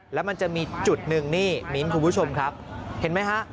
แล้วมันจะมีจุดหนึ่งนี่มิ้นท์คุณผู้ชมครับเห็นไหมฮะ